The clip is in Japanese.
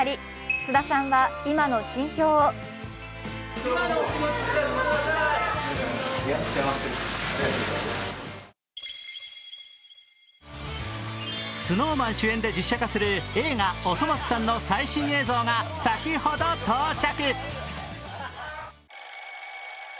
菅田さんは今の心境をＳｎｏｗＭａｎ主演で実写化される映画「おそ松さん」の最新映像が先ほど到着。